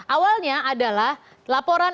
awalnya adalah laporan